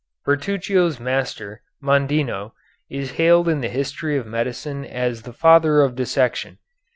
Bertruccio's master, Mondino, is hailed in the history of medicine as the father of dissection.